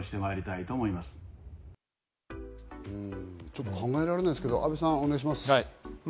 ちょっと考えられないですけど、阿部さんお願いします。